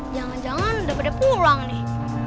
jangan jangan udah pada pulang nih